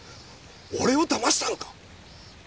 俺をだましたのか？